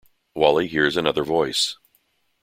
Wally hears another voice.